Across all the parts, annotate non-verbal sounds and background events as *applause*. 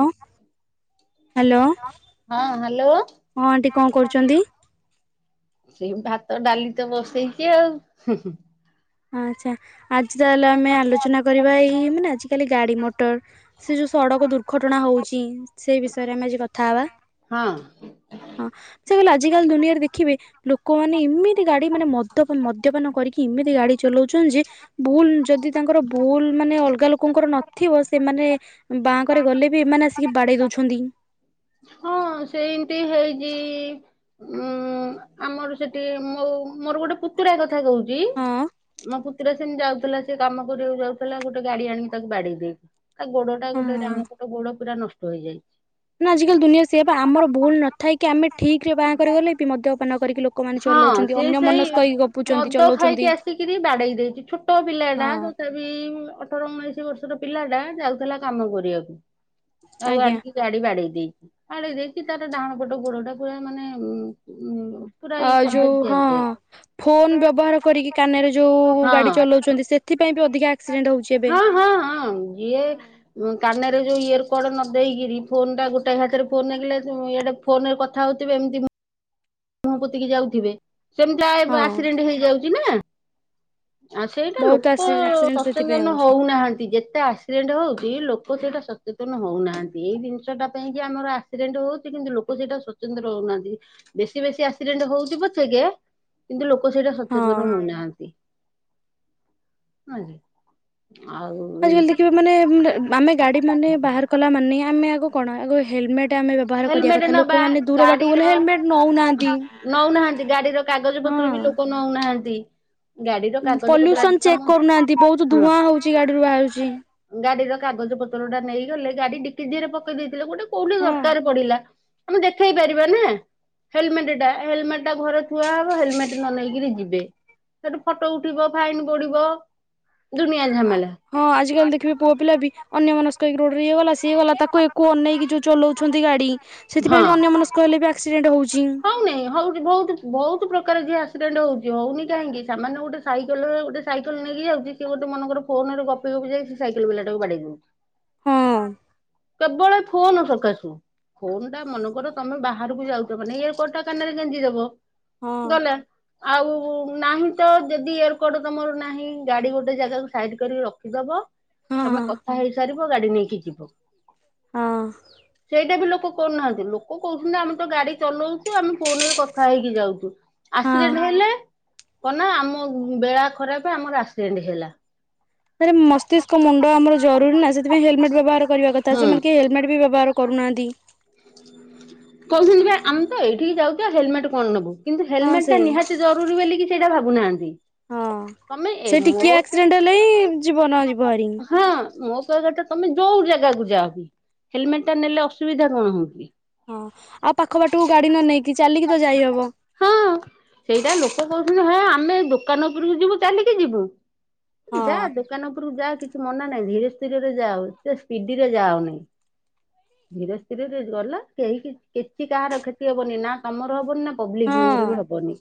ହଁ। Hello hello ହଁ aunty କଣ କରୁଛନ୍ତି? ସେଇ ଭାତ ଡାଲି ତ ବସେଇଛି ଆଉ ଆଚ୍ଛା ଆଜି ତାହେଲେ ଆମେ ଆଲୋଚନା କରିବା ଏଇ ମାନେ ଆଜିକାଲି ଗାଡି ମଟର ସେ ଯୋଉ ସଡକ ଦୁର୍ଘଟଣା ହଉଛି ସେଇ ବିଷୟରେ ଆମେ ଆଜି କଥା ହବା। ହଁ। ହଁ ସେ କହିଲେ ଆଜିିକାଲି ଦୁନିଆରେ ଦେଖିବେ ଲୋକମାନେ ଏମିତି ଗାଡି ମାନେ ମଦ୍ୟ ମଦ୍ୟପାନ କରିକି ଏମିତି ଗାଡି ଚଲଉଛନ୍ତି ଯେ ଭୁଲ ଯଦି ତାଙ୍କର ଭୁଲ ମାନେ ଅଲଗା ଲୋକଙ୍କର ନଥିବ ସେମାନେ ବାଁଙ୍କରେ ଗଲେ ବି ଏମାନେ ଆସିକି ବାଡେଇ ଦଉଛନ୍ତି। ହଁ ସେମତି ହେଇଛି। ଉଁ ଆମର ସେଠି ମୋ ମୋର ଗୋଟେ ପୁତୁରା କଥା କହୁଛି? ହଁ ମୋ ପୁତୁରା ସେମିତି ଯାଉଥିଲା ସେ କାମ କରିବାକୁ ଯାଉଥିଲା ଗୋଟେ ଗାଡି ଆଣିକି ତାକୁ ବାଡେଇ ଦେଇଛି। ତା ଗୋଡଟା ଗୋଟେ ହଁ ଡାହାଣ ପଟ ଗୋଡ ପୁରା ନଷ୍ଟ ହେଇଯାଇଛି। ନା ଆଜାକାଲି ଦୁନିଆ ସେୟା ପା ଆମର ଭୁଲ ନ ଥାଇ କି ଆମେ ଠିକ ରେ ବାଁ କରି ଗଲେ ମଦ୍ୟପାନ କରିକି ଲୋକମାନେ ହଁ ଚଲାଉଛନ୍ତି ଅନ୍ୟ ମନସ୍କ ହେଇକି ଗପୁଛନ୍ତି ଚଲଉଛନ୍ତି। କି ଆସିକରି ବାଡେଇ ଦେଇଛି ଛୋଟ ହଁ। ପିଲାଟା ଅଠର ଉଣେଇଶି ବର୍ଷର ପିଲାଟା ଯାଉଥିଲା କାମ କରିବାକୁ ଆଉ ଆଜ୍ଞା ଆଣିକି ଗାଡି ବାଡେଇ ଦେଇଛି ବାଡେଇ ଦେଇକି ତାର ଡାହାଣ ପଟ ଗୋଡ ଟା ପୁରା ମାନେ ଉ ପୁରା ଆ ଇ ଯୋଉ କରିଦେଇଛି ହଁ ଦିଆଯାଏ ଫୋନ ବ୍ୟବହାର କରିକି କାନରେ ଯୋଉ ହଁ। ଗାଡି ଚଲଉଛନ୍ତି ସେ ସେଥିପାଇ ବି ଅଧିକ ଆକ୍ସିଡେଣ୍ଟ ହେଉଛି। ହଁ ହଁ ହଁ ଯିଏ ଉଁ କାନରେ ଯୋଉ ଇୟର କଡ ନ ଦେଇକିରି ଫୋନ ଟା ଗୋଟେ ହାତରେ ଫୋନ ନଗେଇଲେ ଇଆଡେ ଫୋନରେ କଥା ହଉଥିବେ ଏମତି ମୁହଁ ପୋତିକି ଯାଉଥିବେ ସେମିତି ହଁ ଆକ୍ସିଡେଣ୍ଟ ହେଇଯାଉଛି ନା? ଆ ସେଇଟା ବହୁତ ଲୋକ ଆସି ଆକ୍ସିଡେଣ୍ଟ ସେଥିପାଇଁ ସଚେତନ ହଉଛି ହଉନାହାନ୍ତି ଯେତେ ଆସ। ଏକ୍ସିଡେଣ୍ଟ ହଉଛି ଲୋକ ସେଇଟା ସଚେତନ ହଉନାହାନ୍ତି ଏଇ ଜିନିଷଟା ପାଇଁ କି ଆମର ଆ ଆକ୍ସିଡେଣ୍ଟ ହଉଛି କିନ୍ତୁ ଲୋକ ସେଇଟା ସ୍ଵତନ୍ତ୍ର ହଉନାହାନ୍ତି ବେଶୀ ବେଶୀ ଆକ୍ସିଡେଣ୍ଟ ହଉଛି ପଛକେ କିନ୍ତୁ ଲୋକ ସେଇଟା ସଚେତନ ହଁ। ହଉନାହାନ୍ତି। ଆଉ ଆଜ କାଲି ଦେଖିବା ଏମିତି ମାନେ ଆମେ ଗାଡି ମାନେ ବାହାର କଲା ମାନେ ନ ଆମେ ଆଗ କଣ ଆଗ ହେଲମେଟ ଆମେ ବ୍ୟବହାର କରିବା ହେଲମେଟ କଥା ନବା ଲୋକମାନେ ଦୂର ବାଟ ଗାଡିର ଗଲେ ହେଲମେଟ ନଉନାହାନ୍ତି। ନଉନାହାନ୍ତି ଗାଡିର କାଗଜ ପତ୍ର ବି ହଁ। ଲୋକ ନଉନାହାନ୍ତି। ଗାଡି ର କାଗଜ ପତ୍ର ପଲ୍ୟୁସନ ଚେକ୍ କରୁନାହାନ୍ତି ବହୁତ *unintelligible* ଧୂଆଁ ହଉଛି ଗାଡିରୁ ବାହାରୁଛି। ଗାଡିର କାଗଜ ପତ୍ରଟା ନେଇଗଲେ ଗାଡିଡିକି ଧିଅରେ ପ କ ଦେଇଥିଲେ ଗୋଟେ କୋଉଠି ଦ ପଡିଲା ଆମେ ଦେଖେଇ ପାରିବା ନା? ହେଲମେଟଟା ହେଲମେଟଟା ଘରେ ଥୁଆ ହବ ହେଲମେଟ ନ ନେଇକିରି ଯିବେ। ସେଠୁ ଫଟୋ ଉଠିବ ଫାଇନ ବଢିବ ଦୁନିଆ ଝାମେଲା। ହଁ ଆଜିକାଲି ଦେଖିବେ ପୁଅ ପିଲା ବି ଅନ୍ୟମନସ୍କ ହେଇକି ରୋଡ ଇଏ ଗଲା ସିଏଗଲା ତାକୁ ଏକକୁ ଅନେଇକି ଯୋଉ ଚଲାଉଛନ୍ତି ଗାଡି। ସେଥିପାଇଁ ହଁ। ବି ଅନ୍ୟ ମନସ୍କ ହେଲେ ବି ଆକ୍ସିଡେଣ୍ଟ ହଉଛି। ହ ବହୁତ ବହୁତ ପ୍ରକାର ଯିଏ ଆକ୍ସିଡେଣ୍ଟ ହଉଛି ହଉନି କାହିଁକି ସାାମନ୍ୟ ଗୋଟେ ସାଇକେଲ ଗୋଟେ ସାଇକେଲ ନେଇକି ଯାଉଛି? ସେ ଗୋଟ ମନେକର ଫୋନରେ ଗପି ଗପି ଯାଇ ସେ ସାଇକେଲ ବାଲାଟାକୁ ବାଡେଇ ଦଉଛି। ହଁ। କେବଳ ଏ ଫୋନ ସକାସେ। ଫୋନ୍ ଟା ମନେ କର ତମେ ବାହାରକୁ ଯାଉଛ ମାନେ ଇଅର କଡ୍ ଟା କାନାରେ ଗେଞ୍ଚିଦେବ। ହଁ। ଆଉ ନାହିଁ ତ ଯଦି ଏୟର କଡ୍ ତମର ନାହିଁ ଗାଡି ଗୋଟେ ଜାଗାକୁ ସାଇଡ କରିକି ରଖିଦବ। ହଁ ତମେ କଥା ହେଇସାରିବ ଗାଡି ନେଇକି ଯିବ। ହଁ। ସେଇଟା ବି ଲୋକ କରୁନାହାନ୍ତି ଲୋକ କହୁଛନ୍ତି ଆମେ ତ ଗାଡି ଚଲଉଛୁ। ଆମେ ଫୋନରେ କଥା ହେଇକି ଯାଉଛୁ ହଁ। ଆସିଡେଣ୍ଟ ହେଲେ। କଣ ନା ଆମ ବେଳା ଖରାପ ଆମର ଆକ୍ସିଡେଣ୍ଟ ହେଲା। ଆରେ ମସ୍ତିଷ୍କ ମୁଣ୍ଡ ଆମର ଜରୁରୀ ନା ସେଥିପାଇଁ ହେଲମେଟ ବ୍ୟବହାର କରିବା କ ଥା ତ ହୁଁ ସେମାନେ କେହି ହେଲମେଟ୍ ବି ବ୍ୟବହାର କରୁନାହାନ୍ତି। କହୁଛନ୍ତି ପା ଆମେ ତ ଏଇଠିକି ଯାଉଛୁ ଆଉ ହେଲମେଟ କଣ ନବୁ। କିନ୍ତୁ ହଁ ହେଲମେଟ ଟା ସେଇ ନିହାତି ଜରୁରୀ ବୋଲିକି ସେଇଟା ଭାବୁନାହାନ୍ତି। ହଁ ତମେ ଏ ସେ ମୋ ଟିକିଏ ଆକ୍ସିଡେଣ୍ଟ ହେଲେ ହିଁ ଯିବନ ଯିବହାରି। ହଁ ମୋ କହିବାଟା ତମେ ଯୋଉ ଜାଗାକୁ ଯାଅ ବି ହେଲମେଟ ଟା ନେଲେ ଅସୁବିଧା କଣ ହଉଛି। ହଁ ଆଉ ପାଖ ବାଟକୁ ଗାଡି ନ ନେଇକି ଚାଲିକି ତ ଯାଇହବ। ହଁ ସେଇ ବା ଲୋକ କହୁଛନ୍ତି ହେଁ ଆମେ ଦୋକାନ ଉପରକୁ ଯିବୁ ଚାଲିକି ଯିବୁ। ଯା ହଁ। ଦୋକାନ ଉପରକୁ ଯା କିଛି ମନା ନାହିଁ ଧୀର ସ୍ଥିରରେ ଯାଓ ଏତେ ସ୍ପିଡିରେ ଯାଅନି। ହ *inaudible* ଧୀରେ ସ୍ଥିରରେ ଗଲେ କେହି କି କିଛି କାହାର କ୍ଷତି ହବନି ନା ତମର ହବନି ନା ପବ୍ଲିକି ଙ୍କର ହଁ ବି ର ହ ବନି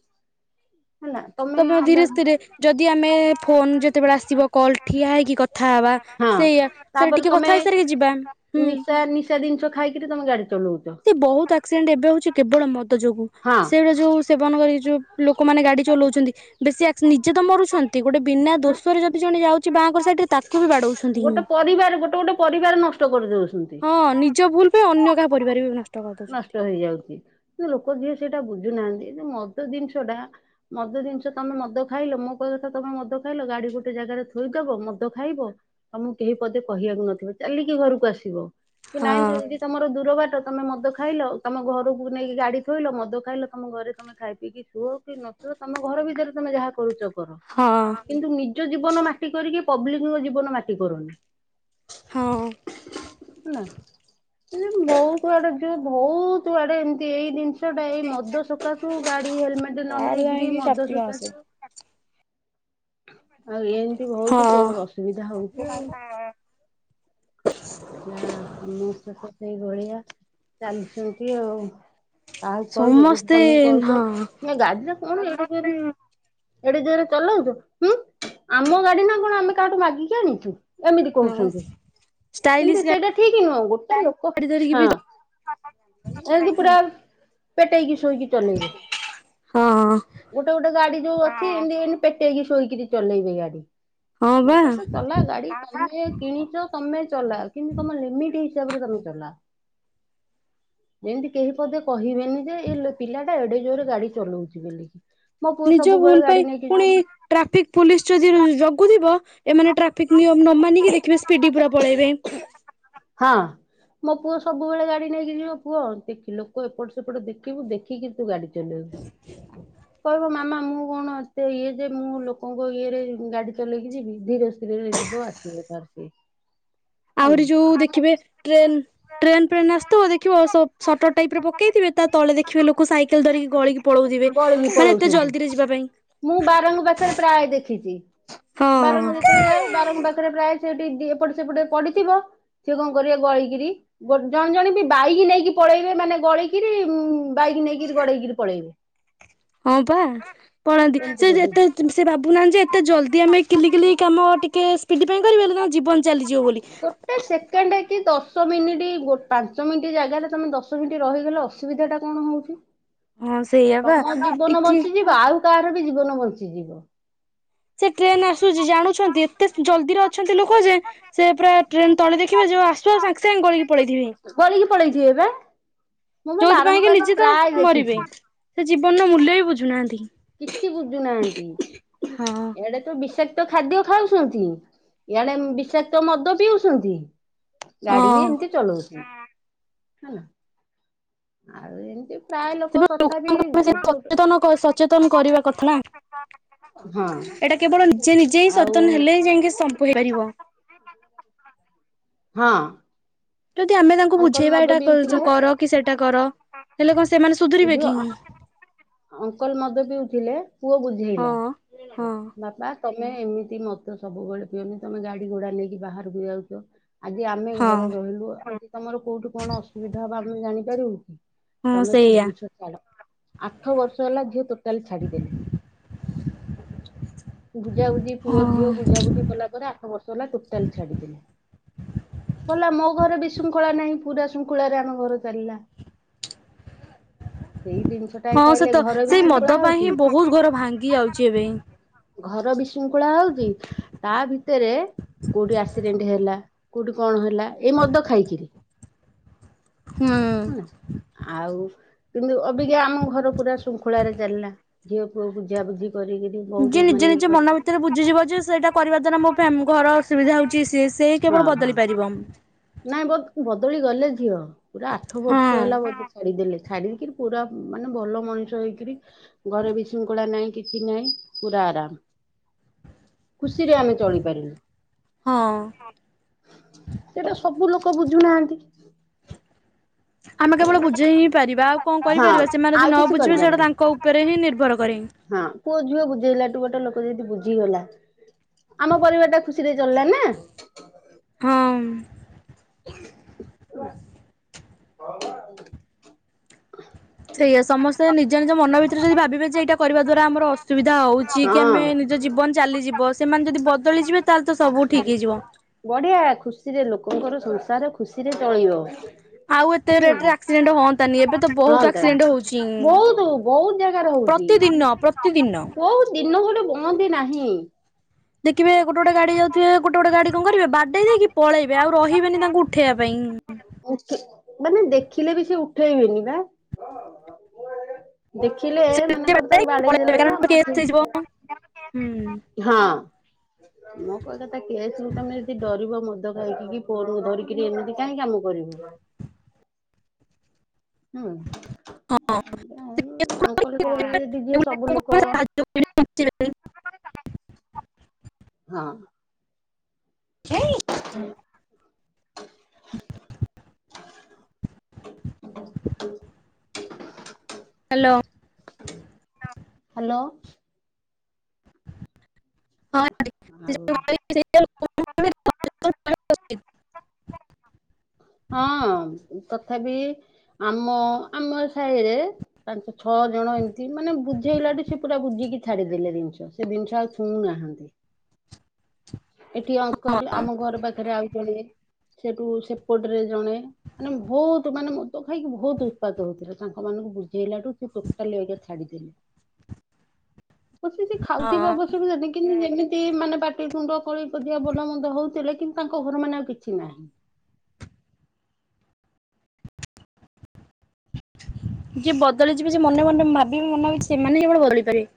ହେଲା। ତମେ ଧୀରେ ସ୍ଥିରେ ଯଦି ଆମେ ଫୋନ ଯେତେବେଳେ ଆସିବ କଲ ଠିଆ ହେଇକି କଥା ହବା ହଁ ସେଇଆ ସେଇଟା ତାପରେ ଟିକେ ତମେ କଥା ହେଇସାରିକି ଯିବା। ହୁଁ ନିଶା ନିଶା ଜିନିଷ ଖାଇକିରି ତମେ ଗାଡି ଚଲଉଛ। ବହୁତ ଆକ୍ସିଡେଣ୍ଟ ଏବେ ହଉଛି କେବଳ ମଦ ଯୋଗୁ ସେଇଟା ଯୋଉ। ସେବନ କରି ଯୋଉ ଲୋକମାନେ ଗାଡି ଚଲଉଛନ୍ତି ବେଶୀ ଆସିଡେଣ୍ଟ ନିଜେ ତ ମରୁଛନ୍ତି। ଗୋଟେ ବିନା ହୁଁ। ଦୋଷରେ ଜଦି ଜଣେ ଯାଉଛି ବାଁ‌ କର ସାଇଡ୍ ରେ ତାକୁ ବି ବାଡଉ ଗୋଟେ ପରିବାର ଗୋଟେ ଗୋଟେ ପରିବାର ନଷ୍ଟ କରିଦଉଛନ୍ତି। ହଁ ନିଜ ଭୁଲ। କୁ ଅନ୍ୟ କାହା ପରିବାର ବି ନଷ୍ଟ। କରିଦଉଛନ୍ତି ନଷ୍ଟ ହେଇ ଯାଉଛି କିନ୍ତ ଲୋକ ଯିଏ ସେଇଟା ବୁଝୁନାହାନ୍ତି ଏ ଯୋଉ ମଦ ଜିନିଷ ଟା। ମଦ ଜିନିଷ ତମେ ମଦ ଖାଇଲ ମୋ କହିବା କଥା ତମେ ମଦ ଖାଇଲ ଗାଡି ଗୋଟେ ଜାଗାରେ ଥୋଇଦବ ମଦ ଖାଇବ। ତମକୁ କେହି ପଦେ କହିବାକୁ ନଥିବେ ଚାଲିକି ଘରକୁ ଆସିବ। କି ନାଇଁ ହଁ ଯଦି ତମର ଦୂର ବାଟ ତମେ ମଦ ଖା ଖାଇଲ ତମେ ଘରକୁ ନେଇକି ଗାଡି ଥୋଇଲ ମଦ ଖାଇଲ ତମ ଘରେ ତମେ ତମେ ଖାଇ ପିଇକି ଶୁଅ କି ନ ଶୁଅ ତମ ଘର ଭିତରେ ତମେ ଯାହା କରୁଛ କର। ହଁ କିନ୍ତୁ ନିଜ ଜୀବନ ମାଟି କରିକି ପବ୍ଲିକଙ୍କ ଜୀବନ ମାଟି କରନି। ହଁ। ହେଲା ଏମିତି ବହୁତ ଆଡେ ଝିଅ ଭହୁତ ଆଡେ ଏମତି ଏଇ ଜିନି ଟା ଏଇ ମଦ ସକାଶରୁ ଗାଡି ହେଲମେଟ ନ ତାର ନେଇେକିରି ଯାଇକି ମଦ କାର୍ତ୍ତିକ ମାସେ। ସକାଶରୁ। ଆଉ ଏମିତି ବହୁତ ହଁ ଅସୁବିଧା ହଉଛି ଆଉ। କଁ କରିବା ସମସ୍ତେ ତ ସେଇ ଭଳିଆ ଚାଲିଛନ୍ତି ଆଉ। କାହାକୁ କହିବ ଯଦି ସମସ୍ତେ ତମେ କହୁଚ ହଁ ଏ ଗାଡି ଟା କଣ ଏଡେ ଜୋରେ। ଏଡେ ଯୋରେ ଚଲଉଛ ହୁଁ ଆମ ଗାଡି ନା କଣ ଆମେ କାହାଠୁ ମାଗିକି ଆଣିଛୁ। ଏମିତି ହଁ। କହୁଛନ୍ତି। କିନ୍ତୁ ଷ୍ଟାଇଲିଶ ସେଇଟା ଠିକ ନୁହଁ ଗୋଟେ ଲୋକ ଗାଡି ଧରିକି ହଁ ବି ଏମିତ ପୁରା ପେଟେଇକି ଶୋଇକି ଚଲେଇବେ। ହଁ। ଗୋଟେ ଗୋଟେ ଗାଡି ଯୋଉ ଅଛି ଏମିତି ଏମତି ପେଟେଇକି ଶୋଇକିରି ଚଲେଇବେ ଗାଡି। ହଁ ମୁଁ ବା ତତ ଚଲା ଗାଡି କିଏ କିଣିଚ? ତୋମେ ଚଲାଅ କିନ୍ତୁ ତୋମ ଲିମିଟ୍ ହିସାବରେ ତୋମେ ଚଲା। ଯେମିତି କେହି ପଦେ କହିବେ ଏମିତିଆ ଏ ଲେ-ପିଲା ଟା ଏଡେ ଜୋରରେ ଗାଡି ଚଲଉଚି ବୋଲିକି, ମୋ ପୁଅ ସବୁବେଳେ ଗାଡି ନେଇକି ଯିବ ଟ୍ରାଫିକ୍ ପୋଲିସ୍ ଯଦି ଯୋଗୁଥିବ ଏମାନେ ଟ୍ରାଫିକ୍ ନିୟମ ନ ମାନିକି ଦେଖିବେ ସ୍ପିଡି ପୁରା ପଳେଇବେ। ହଁ। ମୋ ପୁଅ ସବୁବେଳେ ଗାଡି଼ ନେଇକି ଯିବ, ପୁଅ ଦେଖି ଲୋକ ଏପଟ ସେପଟ ଦେଖିବୁ ଦେଖିକି ତୁ ଗାଡ଼ି ଚଲେଇବୁ। କହିବ ମାମା ମୁଁ କଣ ଏତେ ଇଏ ଯେ ମୁଁ ଲୋକଙ୍କ ଇଏରେ ଗାଡି଼ ଚଲେଇକି ଯିବି, ଧୀର ସ୍ତିରରେ ଯିବ ଆସ ସିବ ତାର ସେ। ଆହୁରି ଯୋଉ ଦେଖିବେ ଟ୍ରେନ୍ ଟ୍ରେନ୍ ଫ୍ରେନ୍ ଆସୁଥିବ ଦେଖିବ ସ-ସଟର୍ ଟାଇପ୍ ରେ ପକେଇଥିବେ ତା ତଳେ ଦେଖିବେ ଲୋକ ସାଇକେଲ ଧରିକି ଗଳିକି ପଳଉଥିବେ। ଗଳିକି ମାନେ ଏତେ ପଳଉଛନ୍ତି ଜଲଦିରେ ଯିବା ପାଇଁ। ମୁଁ ବାରଙ୍ଗ ପାଖରେ ପ୍ରାୟ ଦେଖିଚି, ବାରଙ୍ଗ ହଁ ଯେତେବେଳେ ଯାଏ ସେ ବାରଙ୍ଗ ପାଖରେ ପ୍ରାୟ ସେଟି ଦି ଏପଟ ସେପଟେ ପଡ଼ିଥିବ ସିଏ କଣ କରିବେ ଗଳିକିରି, ଗୋ ଜଣେ ଜଣେ ବି ବାଇକି ନେଇକି ପଳେଇବେ ମାନେ ଗଳିକିରି ଉଁ, ହଁ ପା ପଳାନ୍ତି ଏମିତି ସେ କରୁ। ଯେତେ *unintelligible* ସେ ଭାବୁନାହାନ୍ତି ଯେ ଏତେ ଜଲଦି ଆମେ କିଲିକିଲି କାମ ଟିକେ ସ୍ପିଡି ପାଇଁ କରିବେ ହେଲେ ତାଙ୍କ ଜୀବନ ଚାଲିଯିବ ବୋଲି। ଟେ ସେକେଣ୍ଡ କି ଦଶ ମିନିଟି ଗୋ ପାଞ୍ଚ ମିନିଟ୍ ଜାଗାରେ ତୋମେ ଦଶ ମିନିଟ୍ ରହିଗଲେ ଅସ ସୁବିଧା ଟା କଣ ହଉଛି, ହଁ ସେଇଆ ବା ତୋମ ଜୀବନ ଟିକେ ବଞ୍ଚିଯିବ ଆଉ କାହାର ବି ଜୀବନ ବଞ୍ଚିଯିବ। ସେ ଟ୍ରେନ୍ ଆସୁଛି ଜାଣୁଛନ୍ତି, ଏତେ ଜଲଦିରେ ଅଛନ୍ତି ଲୋକ ଯେ ସେ ପୁରା ଟ୍ରେନ୍ ତଳେ ଦେଖିବେ ଯୋଉ ଆସୁଅ ସାଙ୍ଗେ ସାଙ୍ଗେ ଗଳିକି ପଳେଇଥିବେ। ଗଳିକି ପଳେଇଥିବେ ବା। ମୁଁ ବା ଯୋଉଥିପାଇଁ କି ବାରଙ୍ଗ ନିଜେ ତ ପ୍ରାୟ ମରିବେ, ଦେଖିଛି। ସେ ଜୀବନର ମୂଲ୍ୟ ବି ବୁଝୁନାହାନ୍ତି। କିଛି ବୁଝୁନାହାନ୍ତି। ହଁ। ଇଆଡ଼େ ତ ବିଷାକ୍ତ ଖାଦ୍ୟ ଖାଉଛନ୍ତି, ଇଆଡ଼େ ବିଷାକ୍ତ ମଦ ପିଉଛନ୍ତି। ଗାଡି଼ ହଁ ବି ଏମତି ଚଲଉଛନ୍ତି, ହେଲା ଆଉ ଏମତି ସେ *inaudible* ଲୋକଙ୍କୁ ପୁରା ସେ ସଚେତନକ ସଚେତନ କରିବା କଥା ନା, ହଁ ଏଟା କେବଳ ନିଜେ ନିଜେ ହିଁ ଆଉ ସଚେତନ ହେଲେ ହିଁ ଯାଇକି ସବୁ ହେଇ ପାରିବ। ହଁ। ଯଦି ଆମେ ତାଙ୍କୁ ଅଙ୍କଲ ବୁଝେଇବା ମଦ ଏଇଟା ପିଉଥିଲେ। କ-ଯୋଉ କର କି ସେଟା କର। ହେଲେ କଣ ସେମାନେ ସୁଧୁରିବେ କି? ଅଙ୍କଲ୍ ମଦ ପିଉଥିଲେ ପୁଅ ହଁ ବୁଝେଇଲା। ହଁ। ବାପା ତମେ ଏମିତି ମଦ ସବୁବେଳେ ପିଅନି, ତୋମେ ଗାଡି଼ ଘୋଡା ନେଇକି ବାହାରକୁ ଯାଉଚ। ଆଜି ଆମେ ହଁ ଘରେ ରହିଲୁ, କୋଉଠି ତୋମର କୋଉଠି କଣ ଅସୁବିଧା ହବ ଆମେ ଜାଣିପାରିବୁ କି। ହଁ ତୋମେ ସେ ସେଇଆ ଜିନିଷ ଛାଡ଼, ଆଠ ବର୍ଷ ହେଲା ଝିଅ ଟୋଟାଲି ଛାଡି଼ଦେଲେ। ବୁଜା ବୁଜି ପୁଅ ହଁ। ଝିଅ ବୁଝାବୁଝି କଲା ପରେ ଆଠ ବର୍ଷ ହେଲା ଟୋଟାଲି ଛାଡି଼ଦେଲେ। ମ ମାମୁଁ ଘରେ ବିଶୃଙ୍ଖଳା ନାହିଁ ପୁରା ଶୃଙ୍ଖଳାରେ ଆମ ଘର ଚାଲିଲା। ସେଇ ଜିନିଷ ଟା ଏଠେ ଆଇଲେ ଘରେ ବିଶୃଙ୍ଖଳା ହଉଚି। ପୁରା ଭାଙ୍ଗି ଯାଉଚି ଏବେ। ଘର ବିଶୃଙ୍ଖଳା ହଉଚି ତା ଭିତରେ କଉଠି ଆକ୍ସିଡେଣ୍ଟ ହେଲା କଉଠେ କଣ ହେଲା ଏଇ ମଦ ଖାଇକିରି। ହଁ। ଆଉ କିନ୍ତୁ ଅବିକା ଆମ ଘର ପୁରା ଶୃଙ୍ଖଳାରେ ଚାଲିଲା। ଝିଅ ପୁଅ ବୁଝା ବୁଝି କରିକିରି ବହୁତ ଯିଏ ମାନେ ନିଜେ ଇଏ ନିଜେ ମନ କରିକିରି ଭିତରେ ବୁଝିଯିବ ଯେ ସେଇଟା କରିବା ଦ୍ଵାରା ମୋ ଫ୍ୟା-ଘର ଅସୁବିଧା ହଉଚି ସିଏ ସେ ହଁ କେବଳ ହଁ ବଦଳି ପାରିବ। ନାଇଁ ବ- ବଦଳି ଗଲେ ଝିଅ ପୁରା ଆଠ ବର୍ଷ ହଁ ହେଲା ବୋଧେ ଛାଡି଼ଦେଲେ। ଛାଡି ଦେଇକିରି ପୁରା ମାନେ ଭଲ ମଣିଷ ହେଇକରି ଘରେ ବିଶୃଙ୍ଖଳା ନାହିଁ କିଛି ନାହିଁ ପୁରା ଆରାମ୍। ଖୁସିରେ ଆମେ ହଁ ଚଳିପାରିଲୁ। ସେଇଟା ସବୁ ଲୋକ ବୁଝୁନାହାନ୍ତି। ଆମେ କେବଳ ବୁଝେଇ ହିଁ ପାରିବା ଆଉ କଣ ହଁ କରିପାରିବା ସେମାନେ ଯଦି ଆଉ ନ କିଛି ବୁଝିବେ ସେଇଟା କରିପାରିବନି। ତାଙ୍କ ଉପରେ ହିଁ ନିର୍ଭର କରେ। ହଁ ପୁଅ ଝିଅ ବୁଝେଇଲାଠୁ ଗୋଟେ ଲୋକ ଯଦି ବୁଝିଗଲା ଆମ ପରିବାର ଟା ଖୁସିରେ ଚଳିଲା ନା। ହମ୍। *inaudible* ସେଇଆ ସମସ୍ତେ ନିଜ ନିଜ ମନ ଭିତରେ ଯଦି ଭାବିବେ ଯେ ଏଇଟା କରିବା ଦ୍ଵାରା ଆମର ଅସୁବିଧା ହଉଚି କି ହଁ। ଆମେ ନିଜ ଜୀବନ ଚାଲିଯିବ ସେମାନେ ଯଦି ବଦଳିଯିବେ ତାହେଲେ ତ ସବୁ ଠିକ୍ ହେଇଯିବ। ବଢ଼ିଆ ଖୁସିରେ ଲୋକଙ୍କର ସଂସାର ଖୁସିରେ ଚଳିବ। ଆଉ ଏତେ ହୁଁ ରେଟ୍ ରେ ଆକ୍ସିଡେଣ୍ଟ୍ ହଅନ୍ତାନି ଏବେ ତ ବହୁତ ଆକ୍ସିଡେଣ୍ଟ୍ ହଉଚି। ବହୁତ୍ ଜାଗାରେ ହଉଚି ପ୍ରତିଦିନ କଉ ଦିନ ଗୋଟେ ବଅନ୍ଦୀ ନାହିଁ। ଦେଖିବେ ଗୋଟେ ଗୋଟେ ଗାଡ଼ି ଯାଉଥିବେ ଗୋଟେ ଗୋଟେ ଗାଡି କଣ କରିବେ ବାଡେଇ ଦେଇକି ପଳେଇବେ ଆଉ ରହିବେନି ତାଙ୍କୁ ଉଠେଇବା ପାଇଁ। *unintelligible* ଉଠ୍ -ମାନେ ଦେଖିଲେ ବି ସେ ଉଠେଇବେନି ପା। ଦେଖ୍ ଥିଲେ ମନେକର ତାକୁ ପଳେଇବେ ବାଡେଇଦେଲା କାରଣ କେସ୍ ତ- ହେଇଯିବ ହୁଁ ହଁ। ହଁ। ମୋ କହିଆ କଥା କେସ୍ କୁ ତମେ ଯଦି ଡରିବ ମଦ ଖାଇକିରି ଫୋନକୁ ଧରିକି ଏମିତି କାଇଁ କାମ କରିବ। ହୁଁ ତାଙ୍କର କଉ ଭଳିଆ ଯଦି ଯିଏ ସବୁ ଲୋକ *inaudible* ହଁ। ହୁଁ। *unintelligible* ହାଲୋ। ହାଲୋ। ହଁ ଆଣ୍ଟି। ଆଉ *inaudible* ହଁ ତଥାବି ଆମ -ଆମ ସାହିରେ ପାଞ୍ଚ ଛଅ ଜଣ ଏମିତି ମାନେ ବୁଝେଇଲାଠୁ ସେ ପୁରା ବୁଝିକି ଛାଡିଦେଲେ ଜିନିଷ ସେ ଜିନିଷ ଆଉ ଛୁଉଁନାହାନ୍ତି। *unintelligible* ଏଠି ଅଙ୍କଲ୍ ହଁ ଆମ ଘର ପାଖେରେ ଆଉ ଜଣେ ସେଠୁ ସେ କୋଟ ରେ ଜଣେ ମାନେ ଭଉତ ମାନେ ମଦ ଖାଇକି ଭଉତ ଉତ୍ପାତ ହଉଥିଲେ ତାଙ୍କ ମାନଙ୍କୁ ବୁଝେଇଲାଠୁ ସେ ଟୋଟାଲି ଏଇକା ଛାଡିଦେଲେ। *inaudible* ବସିଚି ଖାଉଥିବେ ହଁ ଅବଶ କିନ୍ତୁ ଯେମିତି ମାନେ ପାଟି ତୁଣ୍ଡ କଳିକଜିଆ ଭଲ ମନ୍ଦ ହଉଥିଲେ କିନ୍ତୁ ତାଙ୍କ ଘର ମାନେ ଆଉ କିଛି ନାହିଁ। ଯିଏ ବଦଳିଯିବେ ଯେ ମନେ ମନେ ଭାବିବେ ମନଇଛା ସେମାନେ ହିଁ କେବଳ ବଦଳି ପାରିବେ।